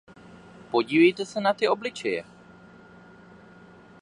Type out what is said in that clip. Podívejte se na ty obličeje.